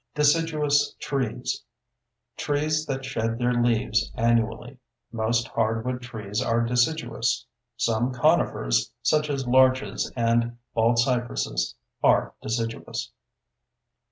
DECIDUOUS TREES: Trees that shed their leaves annually. Most hardwood trees are deciduous; some conifers, such as larches and baldcypresses, are deciduous.